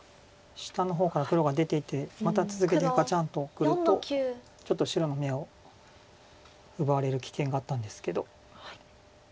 下の方から黒が出ていってまた続けてガチャンとくるとちょっと白の眼を奪われる危険があったんですけど。